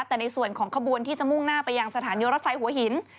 แต่ในส่วนของขบวนที่จะมุ่งหน้าไปยังสถานีรถไฟหัวหิน